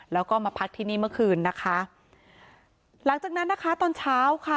แล้วก็มาพักที่นี่เมื่อคืนนะคะหลังจากนั้นนะคะตอนเช้าค่ะ